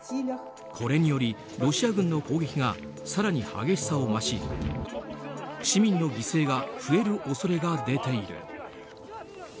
これによりロシア軍の攻撃が更に激しさを増し市民の犠牲が増える恐れが出ている。